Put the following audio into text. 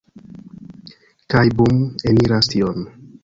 Kaj bum! Eniras tion.